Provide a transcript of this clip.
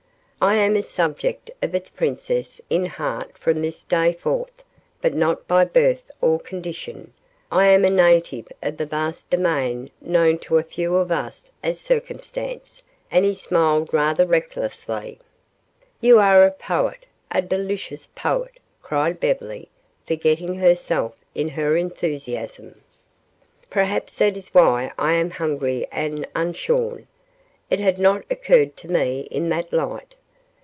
"I am a subject of its princess in heart from this day forth, but not by birth or condition. I am a native of the vast domain known to a few of us as Circumstance," and he smiled rather recklessly. "You are a poet, a delicious poet," cried Beverly, forgetting herself in her enthusiasm. "Perhaps that is why I am hungry and unshorn. It had not occurred to me in that light.